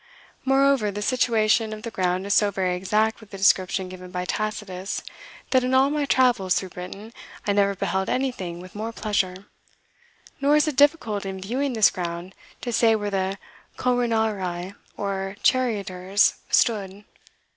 "Moreover, the situation of the ground is so very exact with the description given by Tacitus, that in all my travels through Britain I never beheld anything with more pleasure. ... Nor is it difficult, in viewing this ground, to say where the Covinarii, or Charioteers, stood.